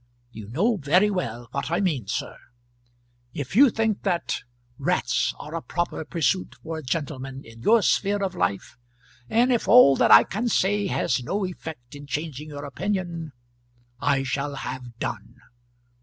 You know very well what I mean, sir. If you think that rats are a proper pursuit for a gentleman in your sphere of life, and if all that I can say has no effect in changing your opinion I shall have done.